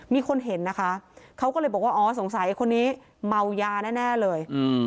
มีคนเห็นนะคะเขาก็เลยบอกว่าอ๋อสงสัยคนนี้เมายาแน่เลย